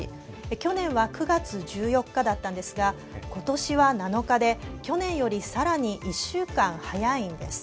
去年は９月１４日だったんですが今年は７日で去年よりさらに１週間、早いんです。